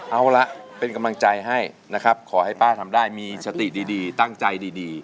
เอาละเป็นกำลังใจให้นะครับขอให้ป้าทำได้มีสติดีตั้งใจดี